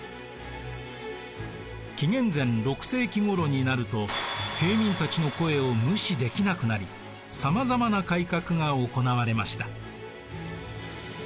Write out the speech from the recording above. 紀元前６世紀ごろになると平民たちの声を無視できなくなりさまざまな改革が行われました。